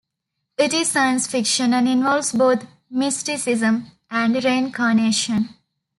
It is science fiction, and involves both mysticism and reincarnation.